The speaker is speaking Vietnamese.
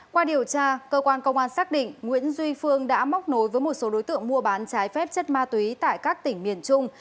qua điều tra cơ quan công an xác định nguyễn duy phương đã móc nối với một số đối tượng mua bán trái phép chất ma túy tại các tỉnh miền trung